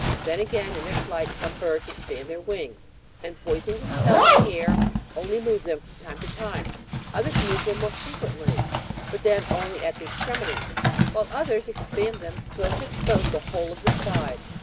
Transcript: Then again, in their flight, some birds ex pand their wings, and, poising themselves in the air, only move them from time to time ; others move them more frequently, but then only at the extremities ; while others expand them so as to expose the whole of the side.